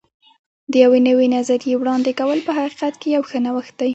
د یوې نوې نظریې وړاندې کول په حقیقت کې یو ښه نوښت دی.